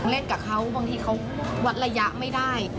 เล่นกับเขาบางทีเขาวัดระยะไม่ได้